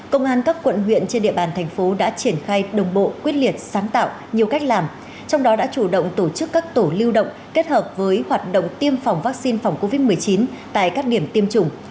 công an các quận huyện trên địa bàn thành phố đã triển khai đồng bộ quyết liệt sáng tạo nhiều cách làm trong đó đã chủ động tổ chức các tổ lưu động kết hợp với hoạt động tiêm phòng vaccine phòng covid một mươi chín tại các điểm tiêm chủng